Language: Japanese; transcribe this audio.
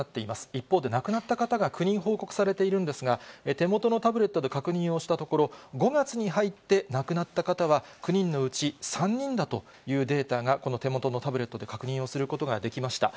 一方で亡くなった方が９人報告されているんですが、手元のタブレットで確認をしたところ、５月に入って亡くなった方は、９人のうち３人だというデータが、この手元のタブレットで確認をすることができました。